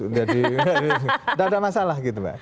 nggak ada masalah gitu